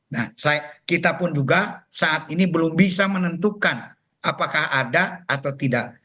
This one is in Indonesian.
nah kita pun juga saat ini belum bisa menentukan apakah ada atau tidak